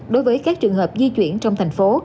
đối với các trường hợp di chuyển trong thành phố